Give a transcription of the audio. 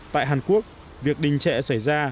tại hàn quốc việc đình trệ xảy ra